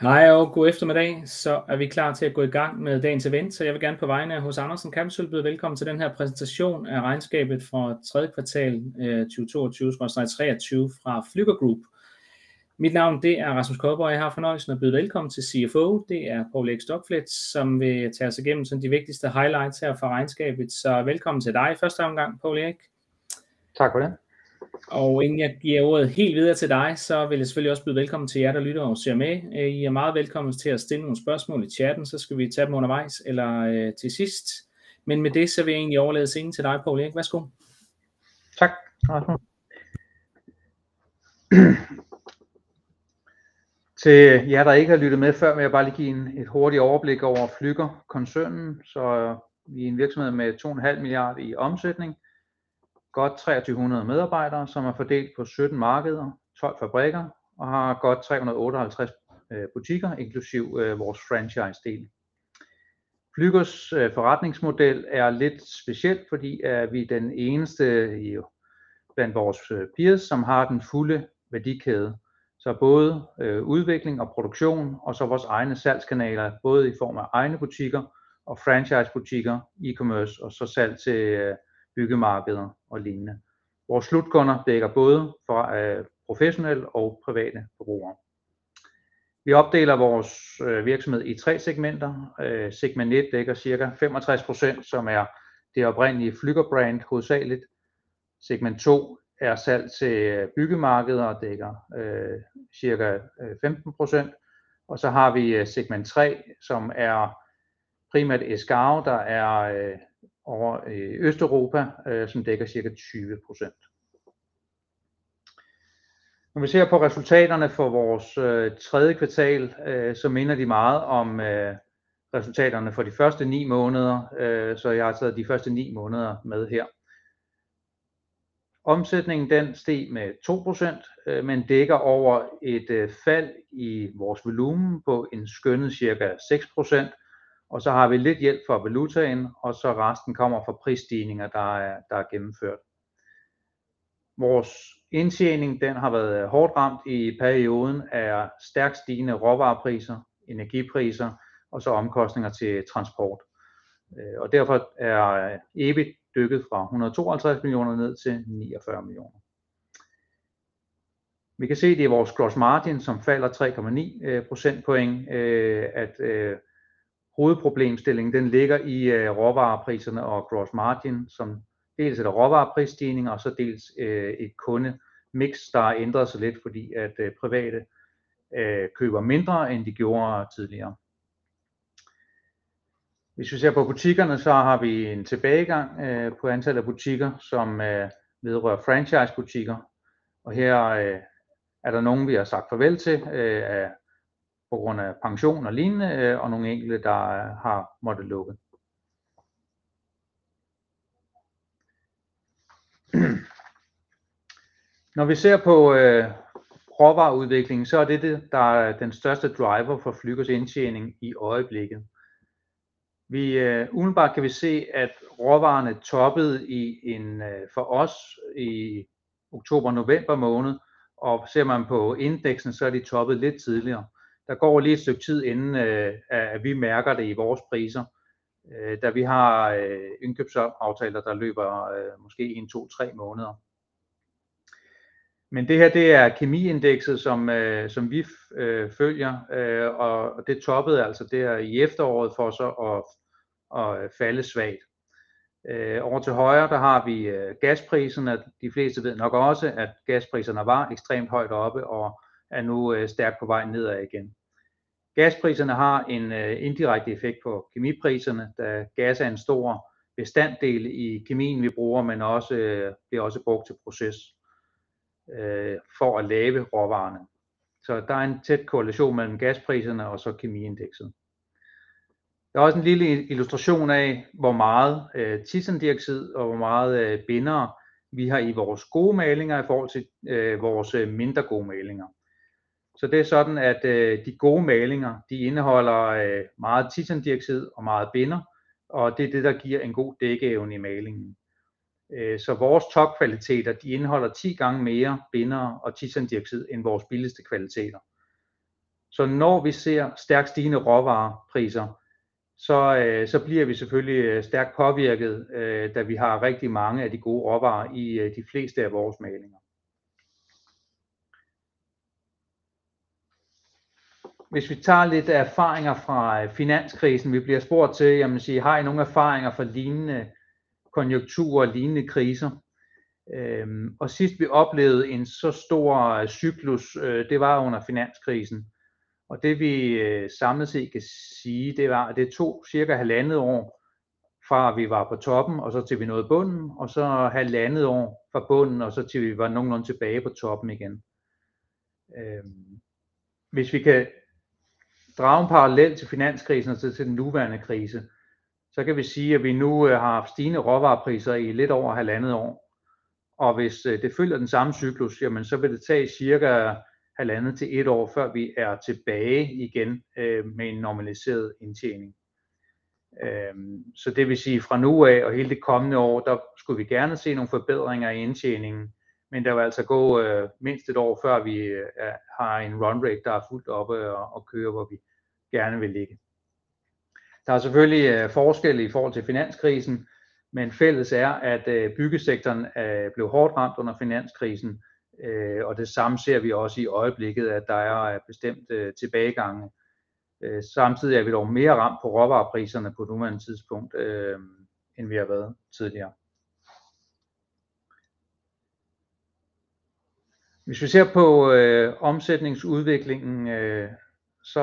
Hej og god eftermiddag. Er vi klar til at gå i gang med dagens event, jeg vil gerne på vegne af HC Andersen Capital byde velkommen til den her præsentation af regnskabet for third quarter 2022/23 fra Flügger Group. Mit navn er Rasmus Køjborg, og jeg har fornøjelsen at byde velkommen til CFO. Det er Poul Erik Stockfleth, som vil tage os igennem de vigtigste highlights her fra regnskabet. Velkommen til dig i første omgang, Poul Erik. Tak for det. Inden jeg giver ordet helt videre til dig, så vil jeg selvfølgelig også byde velkommen til jer, der lytter og ser med. I er meget velkomne til at stille nogle spørgsmål i chatten, så skal vi tage dem undervejs eller til sidst. Med det sagt vil jeg overlade scenen til dig, Poul Erik. Værsgo. Tak, Rasmus. Til jer, der ikke har lyttet med før, vil jeg bare lige give et hurtigt overblik over Flügger koncernen. Vi er en virksomhed med 2.5 milliard i omsætning. Godt 2,300 medarbejdere, som er fordelt på 17 markeder, 12 fabrikker og har godt 358 butikker inklusiv vores franchisedel. Flügger's forretningsmodel er lidt speciel, fordi vi er den eneste blandt vores peers, som har den fulde værdikæde. Både udvikling og produktion og så vores egne salgskanaler, både i form af egne butikker og franchisebutikker, e-commerce og så salg til byggemarkeder og lignende. Vores slutkunder dækker både for professionelle og private brugere. Vi opdeler vores virksomhed i three segmenter. Segment one dækker cirka 65%, som er det oprindelige Flügger brand hovedsageligt. Segment two er salg til byggemarkeder og dækker cirka 15%. Vi har segment 3, som er primært Eskaro, der er ovre i Eastern Europe, som dækker cirka 20%. Vi ser på resultaterne for vores third quarter, minder de meget om resultaterne for de first nine months. Jeg har taget de first nine months med her. Omsætningen den steg med 2%, dækker over et fald i vores volumen på en skønnet cirka 6%. Vi har lidt hjælp fra valutaen, resten kommer fra prisstigninger, der er gennemført. Vores indtjening har været hårdt ramt i perioden af stærkt stigende råvarepriser, energipriser omkostninger til transport, derfor er EBIT dykket fra 152 million ned til 49 million. Vi kan se, at det er vores gross margin, som falder 3.9 percentage points. At hovedproblemstillingen den ligger i råvarepriserne og gross margin, som dels er råvareprisstigninger og dels et kundemix, der har ændret sig lidt, fordi at private køber mindre, end de gjorde tidligere. Hvis vi ser på butikkerne, så har vi en tilbagegang på antallet af butikker, som vedrører franchisebutikker, og her er der nogen, vi har sagt farvel til på grund af pension og lignende og nogle enkelte, der har måttet lukke. Når vi ser på råvareudviklingen, så er det det, der er den største driver for Flügger's indtjening i øjeblikket. Vi, umiddelbart kan vi se, at råvarerne toppede i en for os i October November måned. Og ser man på indeksen, så er de toppet lidt tidligere. Der går lige et stykke tid, inden at vi mærker det i vores priser, da vi har indkøbsaftaler, der løber måske 1, 2, 3 måneder. Det her er kemiindekset, som vi følger, og det toppede altså der i efteråret for så at falde svagt. Ovre til højre der har vi gaspriserne. De fleste ved nok også, at gaspriserne var ekstremt højt oppe og er nu stærkt på vej nedad igen. Gaspriserne har en indirekte effekt på kemipriserne, da gas er en stor bestanddel i kemien, vi bruger, men også bliver brugt til proces for at lave råvarerne. Der er en tæt korrelation mellem gaspriserne og kemiindekset. Der er også en lille illustration af, hvor meget titandioxid og hvor meget bindere vi har i vores gode malinger i forhold til vores mindre gode malinger. Det er sådan, at de gode malinger de indeholder meget titandioxid og meget binder, og det er det, der giver en god dækkeevne i malingen. Vores topkvaliteter de indeholder 10 gange mere bindere og titandioxid end vores billigste kvaliteter. Når vi ser stærkt stigende råvarepriser, så bliver vi selvfølgelig stærkt påvirket, da vi har rigtig mange af de gode råvarer i de fleste af vores malinger. Hvis vi tager lidt erfaringer fra finanskrisen, vi bliver spurgt til. Jamen har I nogle erfaringer fra lignende konjunkturer og lignende kriser? Sidst vi oplevede en så stor cyklus, det var under finanskrisen. Det vi samlet set kan sige, det var, at det tog cirka halvandet år, fra vi var på toppen, og så til vi nåede bunden. Halvandet år fra bunden, og så til vi var nogenlunde tilbage på toppen igen. Hvis vi kan drage en parallel til finanskrisen og til den nuværende krise, kan we sige, at vi nu har haft stigende råvarepriser i lidt over halvandet år. Hvis det følger den samme cyklus, jamen det vil tage cirka 1.5 to 1 year, før vi er tilbage igen med en normaliseret indtjening. Det vil sige fra nu af og hele det kommende år, der skulle vi gerne se nogle forbedringer i indtjeningen. Der vil altså gå mindst 1 year, før vi har en run rate, der er fuldt oppe at køre, hvor vi gerne vil ligge. Der er selvfølgelig forskelle i forhold til finanskrisen, men fælles er, at byggesektoren blev hårdt ramt under finanskrisen, og det samme ser vi også i øjeblikket, at der er bestemt tilbagegange. Samtidig er vi dog mere ramt på råvarepriserne på nuværende tidspunkt, end vi har været tidligere. Vi ser på omsætningsudviklingen, så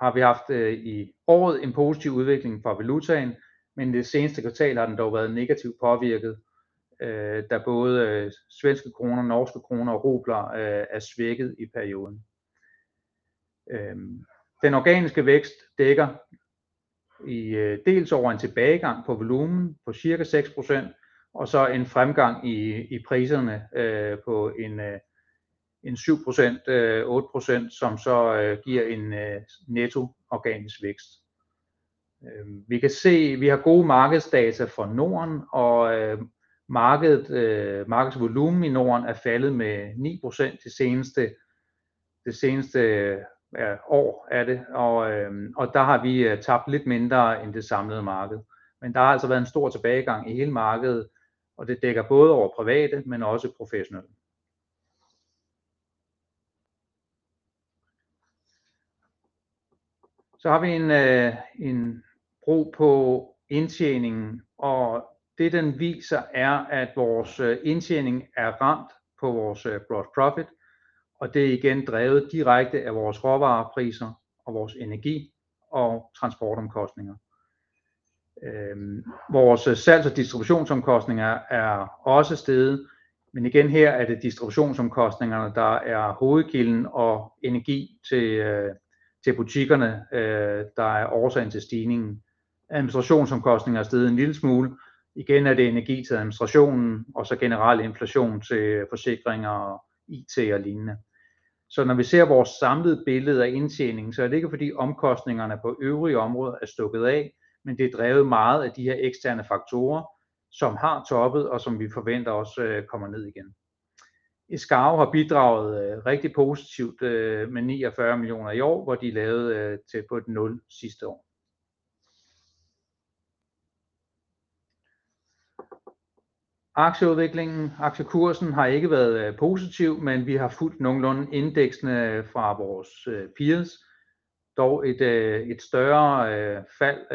har vi haft i året en positiv udvikling for valutaen, men i det seneste kvartal har den dog været negativt påvirket, da både svenske kroner, norske kroner og rubler er svækket i perioden. Den organiske vækst dækker dels over en tilbagegang på volumen på cirka 6% og så en fremgang i priserne på 7%-8%, som så giver en netto organisk vækst. Vi kan se, vi har gode markedsdata fra Norden og markedet. Markedets volumen i Norden er faldet med 9% det seneste år er det, og der har vi tabt lidt mindre end det samlede marked. Der har altså været en stor tilbagegang i hele markedet, og det dækker både over private, men også professionelle. Har vi en bro på indtjeningen, og det den viser er, at vores indtjening er ramt på vores gross profit, og det er igen drevet direkte af vores råvarepriser og vores energi og transportomkostninger. Vores salgs og distributionsomkostninger er også steget. Igen her er det distributionsomkostningerne, der er hovedkilden og energi til butikkerne, der er årsagen til stigningen. Administrationsomkostningerne er steget en lille smule. Igen er det energi til administrationen og så generel inflation til forsikringer og IT og lignende. Når vi ser vores samlede billede af indtjeningen, så er det ikke fordi omkostningerne på øvrige områder er stukket af. Det er drevet meget af de her eksterne faktorer, som har toppet, og som vi forventer også kommer ned igen. Eskaro har bidraget rigtig positivt med 49 million i år, hvor de lavede tæt på et 0 sidste år. Aktieudviklingen. Aktiekursen har ikke været positiv, men vi har fulgt nogenlunde indeksene fra vores peers. Et større fald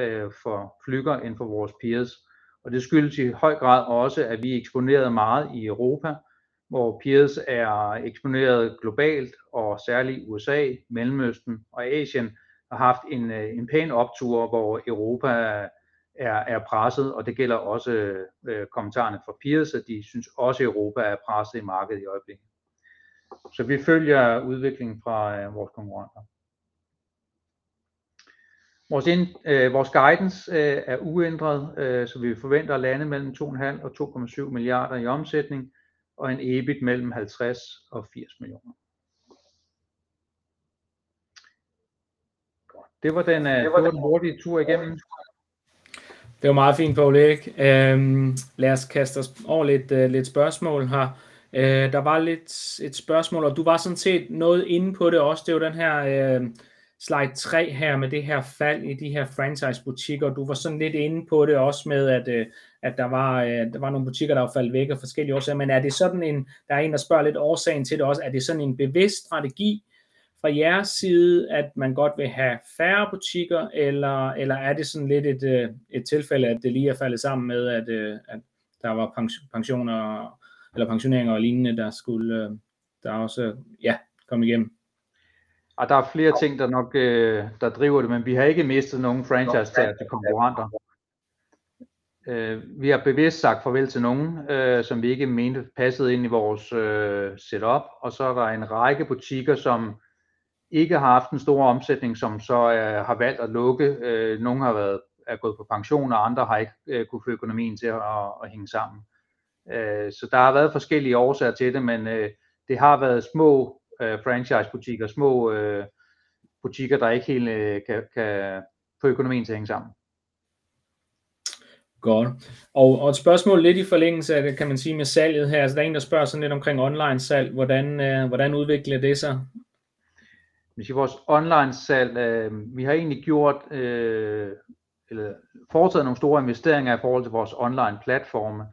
for Flügger end for vores peers, det skyldes i høj grad også, at vi er eksponeret meget i Europa, hvor peers er eksponeret globalt og særligt i USA. Mellemøsten og Asien har haft en pæn optur, hvor Europa er presset, det gælder også kommentarerne fra peers, at de synes også Europa er presset i markedet i øjeblikket. Vi følger udviklingen fra vores konkurrenter. Vores guidance er uændret, vi forventer at lande between 2.5 billion and DKK 2.7 billion in omsætning and an EBIT between 50 million and DKK 80 million. Det var den korte tur igennem. Det var meget fint. Poul Erik, lad os kaste os over lidt spørgsmål her. Der var lidt et spørgsmål, og du var sådan set noget inde på det også. Det var den her slide 3 her med det her fald i de her franchise butikker. Du var sådan lidt inde på det også med at der var nogle butikker der var faldet væk af forskellige årsager. Er det sådan en der er en der spørger lidt årsagen til det også er det sådan en bevidst strategi fra jeres side, at man godt vil have færre butikker eller? Eller er det sådan lidt et tilfælde, at det lige er faldet sammen med at der var pensioner eller pensionering og lignende der skulle der også komme igennem? Der er flere ting der nok der driver det, men vi har ikke mistet nogen franchisetagere til konkurrenter. Vi har bevidst sagt farvel til nogen, som vi ikke mente passede ind i vores setup. Så er der en række butikker, som ikke har haft den store omsætning, som så har valgt at lukke. Nogle er gået på pension og andre har ikke kunnet få økonomien til at hænge sammen. Der har været forskellige årsager til det. Det har været små franchise butikker, små butikker der ikke helt kan få økonomien til at hænge sammen. Godt. Et spørgsmål lidt i forlængelse af det kan man sige med salget her. Der er en der spørger sådan lidt omkring online salg hvordan? Hvordan udvikler det sig? Hvis vores online salg vi har egentlig gjort eller foretaget nogle store investeringer i forhold til vores online platforme,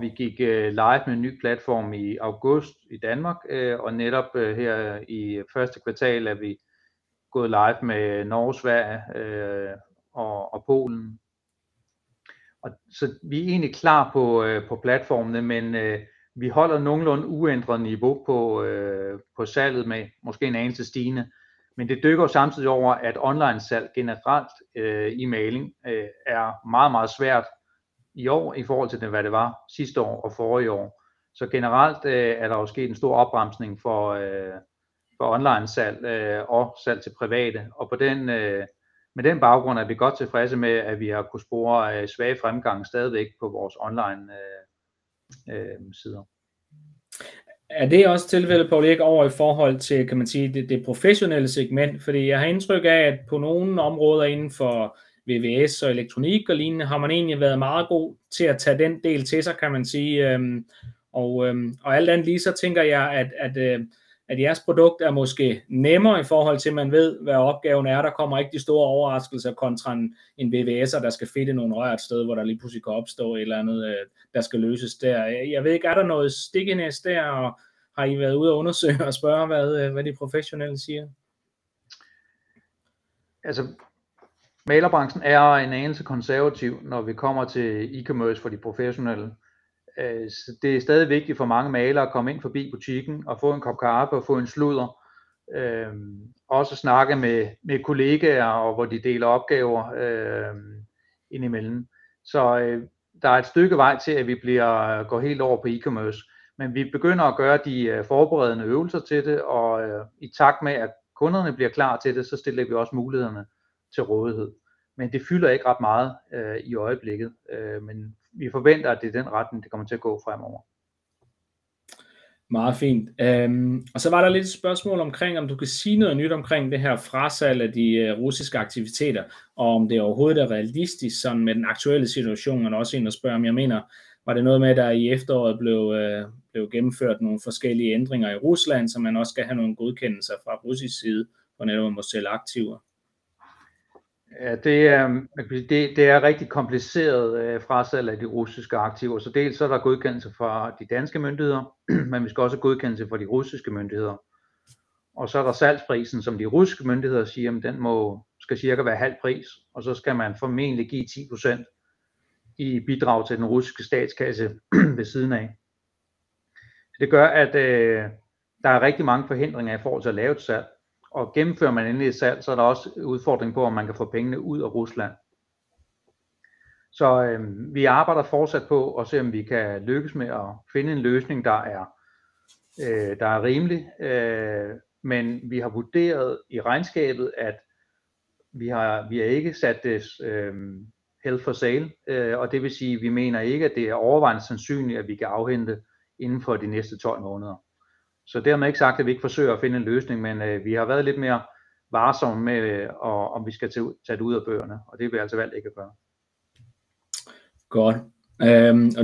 vi gik live med en ny platform i august i Danmark. Netop her i 1. kvartal er vi gået live med Norge, Sverige og Polen, vi er egentlig klar på platformene. Vi holder nogenlunde uændret niveau på salget med måske en anelse stigende. Det dykker samtidig over, at online salg generelt i maling er meget svært i år i forhold til hvad det var sidste år og forrige år. Generelt er der jo sket en stor opbremsning for online salg og salg til private og på den. Med den baggrund er vi godt tilfredse med, at vi har kunnet spore svage fremgange stadigvæk på vores online sider. Er det også tilfældet, Poul Erik, over i forhold til, kan man sige det professionelle segment? Fordi jeg har indtryk af, at på nogle områder inden for VVS og elektronik og lignende har man egentlig været meget god til at tage den del til sig, kan man sige. Og alt andet lige så tænker jeg, at, at jeres produkt er måske nemmere i forhold til, at man ved, hvad opgaven er. Der kommer ikke de store overraskelser kontra en VVS'er, der skal fitte nogle rør et sted, hvor der lige pludselig kan opstå et eller andet, der skal løses der. Jeg ved ikke. Er der noget stickiness der? Og har I været ude og undersøge og spørge, hvad de professionelle siger? Malerbranchen er en anelse konservativ, når vi kommer til e-commerce for de professionelle. Det er stadig vigtigt for mange malere at komme ind forbi butikken og få en kop kaffe og få en sludder. Snakke med kollegaer, og hvor de deler opgaver, indimellem. Der er et stykke vej til, at vi går helt over på e-commerce. Vi begynder at gøre de forberedende øvelser til det. I takt med at kunderne bliver klar til det, så stiller vi også mulighederne til rådighed. Det fylder ikke ret meget, i øjeblikket. Vi forventer, at det er den retning, det kommer til at gå fremover. Meget fint. Så var der lidt et spørgsmål omkring, om du kan sige noget nyt omkring det her frasalg af de russiske aktiviteter, og om det overhovedet er realistisk sådan med den aktuelle situation. Der er også en, der spørger, om jeg mener, var det noget med, at der i efteråret blev gennemført nogle forskellige ændringer i Rusland, så man også skal have nogle godkendelser fra russisk side på netop at måtte sælge aktiver. Det er rigtig kompliceret frasalg af de russiske aktiver. Dels er der godkendelse fra de danske myndigheder, men vi skal også have godkendelse fra de russiske myndigheder. Der er salgsprisen, som de russiske myndigheder siger, jamen den skal cirka være halv pris, og så skal man formentlig give 10% i bidrag til den russiske statskasse ved siden af. Det gør, at der er rigtig mange forhindringer i forhold til at lave et salg. Gennemfører man endelig et salg, så er der også udfordringen på, om man kan få pengene ud af Rusland. Vi arbejder fortsat på at se, om vi kan lykkes med at finde en løsning, der er rimelig. Vi har vurderet i regnskabet, at vi har, vi har ikke sat det held for sale, det vil sige, vi mener ikke, at det er overvejende sandsynligt, at vi kan afhænde inden for de næste 12 måneder. Dermed ikke sagt, at vi ikke forsøger at finde en løsning. Vi har været lidt mere varsomme med, om vi skal tage det ud af bøgerne, og det har vi altså valgt ikke at gøre. Godt.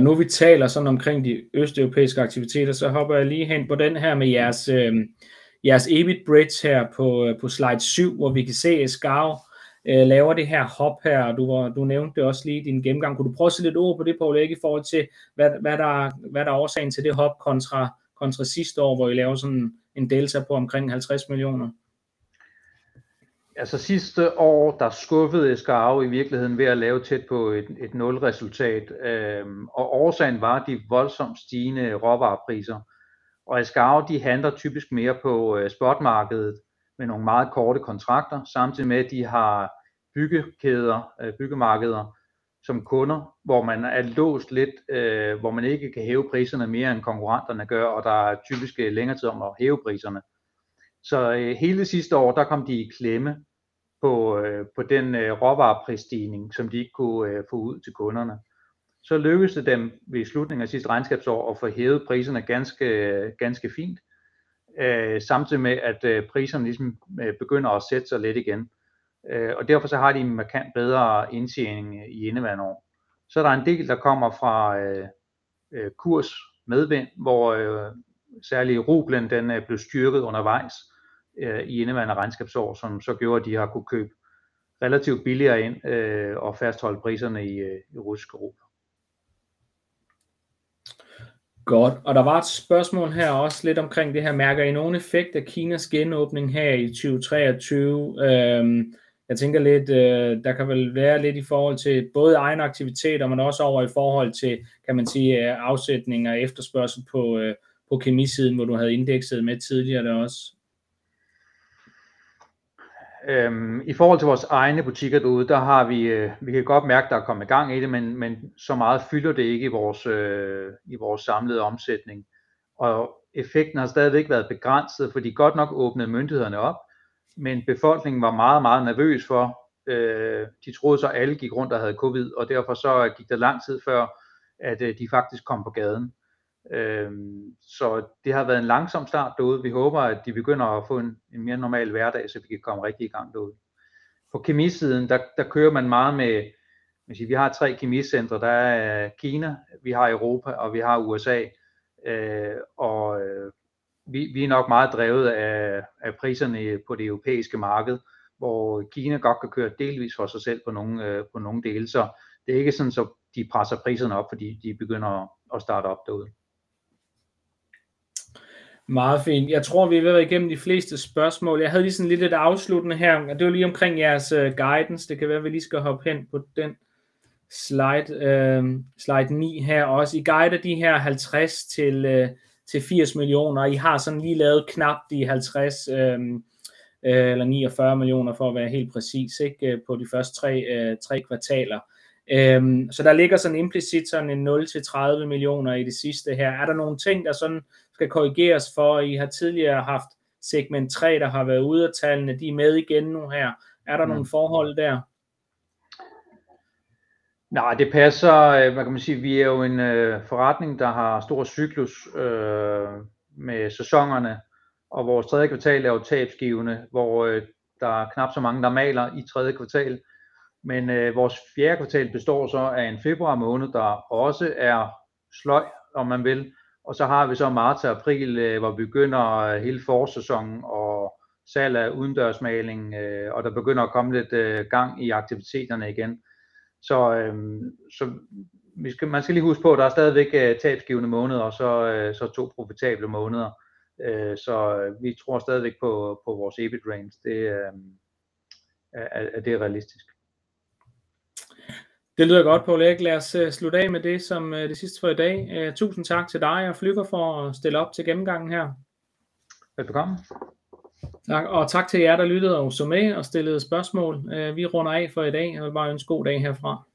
Nu vi taler sådan omkring de østeuropæiske aktiviteter, så hopper jeg lige hen på den her med jeres EBIT bridge her på slide 7, hvor vi kan se, at Eskaro laver det her hop her. Du nævnte det også lige i din gennemgang. Kunne du prøve at sætte lidt ord på det, Poul Erik, i forhold til hvad der, hvad der er årsagen til det hop kontra sidste år, hvor I lavede sådan en delta på omkring DKK 50 million? Sidste år, der skuffede Eskaro i virkeligheden ved at lave tæt på et nulresultat. Årsagen var de voldsomt stigende råvarepriser. Eskaro de handler typisk mere på spotmarkedet med nogle meget korte kontrakter, samtidig med at de har byggekæder, byggemarkeder som kunder, hvor man er låst lidt, hvor man ikke kan hæve priserne mere end konkurrenterne gør, og der er typisk længere tid om at hæve priserne. Hele sidste år, der kom de i klemme på den råvareprisstigning, som de ikke kunne få ud til kunderne. Lykkedes det dem ved slutningen af sidste regnskabsår at få hævet priserne ganske fint, samtidig med at priserne ligesom begynder at sætte sig lidt igen. Derfor har de en markant bedre indtjening i indeværende år. Der er en del, der kommer fra kursmedvind, hvor særligt the ruble den blev styrket undervejs i indeværende regnskabsår, som så gjorde, at de har kunnet købe relativt billigere ind og fastholde priserne i Russian rubles. Godt. Der var et spørgsmål her også lidt omkring det her. Mærker I nogen effekt af Kinas genåbning her i 2023? Jeg tænker lidt, der kan vel være lidt i forhold til både egne aktiviteter, men også over i forhold til, kan man sige afsætning og efterspørgsel på kemisiden, hvor du havde indekset med tidligere der også. I forhold til vores egne butikker derude, der har vi kan godt mærke, at der er kommet gang i det, men så meget fylder det ikke i vores samlede omsætning. Effekten har stadigvæk været begrænset, for de godt nok åbnede myndighederne op, men befolkningen var meget nervøs for, de troede så alle gik rundt og havde covid, og derfor så gik der lang tid, før at de faktisk kom på gaden. Det har været en langsom start derude. Vi håber, at de begynder at få en mere normal hverdag, så vi kan komme rigtigt i gang derude. På kemisiden der kører man meget med, man siger vi har tre kemicentre. Der er Kina, vi har Europa, vi har USA. Vi er nok meget drevet af priserne på det europæiske marked, hvor China godt kan køre delvist for sig selv på nogle dele. Det er ikke sådan så de presser priserne op, fordi de begynder at starte op derude. Meget fint. Jeg tror, vi er ved at være igennem de fleste spørgsmål. Jeg havde lige sådan lidt et afsluttende her. Det var lige omkring jeres guidance. Det kan være, vi lige skal hoppe hen på den slide. slide 9 her også. I guider de her 50-80 million. I har sådan lige lavet knap 50 million, eller 49 million for at være helt præcis, ikke, på de første 3 kvartaler. Der ligger sådan implicit sådan en 0-30 million i det sidste her. Er der nogle ting, der sådan skal korrigeres for, at I har tidligere haft segment 3, der har været ude, og tallene de er med igen nu her. Er der nogle forhold der? Nej, det passer. Hvad kan man sige? Vi er jo en forretning, der har stor cyklus, med sæsonerne, og vores tredje kvartal er jo tabsgivende, hvor der er knap så mange, der maler i tredje kvartal. Vores fjerde kvartal består så af en februar måned, der også er sløj, om man vil. Har vi så marts og april, hvor begynder hele forårssæsonen og salg af udendørsmaling, og der begynder at komme lidt gang i aktiviteterne igen. Man skal lige huske på, at der er stadigvæk tabsgivende måneder og så 2 profitable måneder. Vi tror stadigvæk på vores EBIT range. Det, at det er realistisk. Det lyder godt, Poul Erik. Lad os slutte af med det som det sidste for i dag. Tusind tak til dig og Flügger for at stille op til gennemgangen her. Velbekomme. Tak til jer, der lyttede og så med og stillede spørgsmål. Vi runder af for i dag, og vil bare ønske god dag herfra.